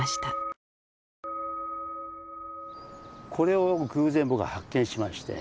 これを偶然僕は発見しまして。